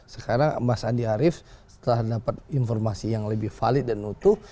sekarang mas andi arief setelah dapat informasi yang lebih valid dan utuh